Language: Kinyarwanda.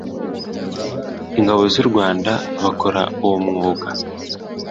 ingabo z’u rwanda bakora uwo mwuga